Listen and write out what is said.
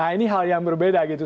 nah ini hal yang berbeda gitu